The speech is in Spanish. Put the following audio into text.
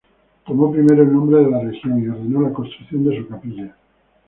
Tomó primero el nombre de la región y ordenó la construcción de su capilla.